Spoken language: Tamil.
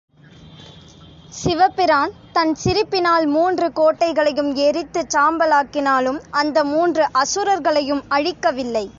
சிவபிரான் தன் சிரிப்பினால் மூன்று கோட்டைகளையும் எரித்துச் சாம்பலாக்கினாலும், அந்த மூன்று அசுரர்களையும் அழிக்கவில்லை.